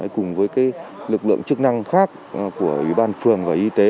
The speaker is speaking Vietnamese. cùng với lực lượng chức năng khác của ủy ban phường và y tế